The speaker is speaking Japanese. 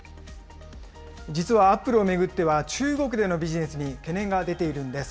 実はアップルを巡っては、中国でのビジネスに懸念が出ているんです。